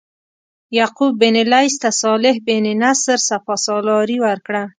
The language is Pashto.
یعقوب بن لیث ته صالح بن نصر سپه سالاري ورکړه.